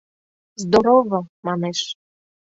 — Здорово! — манеш.